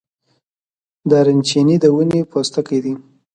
دارچینی د ونې پوستکی دی